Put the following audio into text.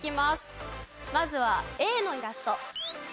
まずはＡのイラスト。